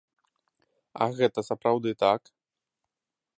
А гэта сапраўды так?